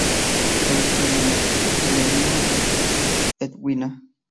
El femenino es Edwina.